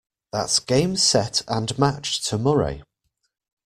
That's Game Set and Match to Murray